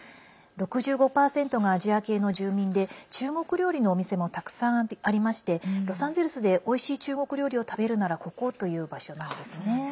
６５％がアジア系の住民で中国料理のお店もたくさんありましてロサンゼルスでおいしい中国料理を食べるならここという場所なんですね。